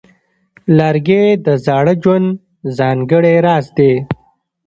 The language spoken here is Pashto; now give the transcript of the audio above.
لرګی د زاړه ژوند ځانګړی راز دی.